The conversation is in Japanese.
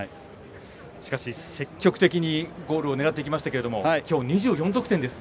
しかし、積極的にゴールを狙っていきましたがきょうも２４得点です。